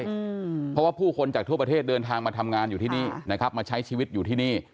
เพราะว่าผู้คนจากทั่วประเทศเดินทางมาทำงานอยู่ที่นี่นะครับมาใช้ชีวิตอยู่ที่นี่